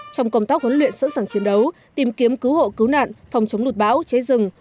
trong công tác huấn luyện sẵn sàng chiến đấu tìm kiếm cứu hộ cứu nạn phòng chống lụt bão cháy rừng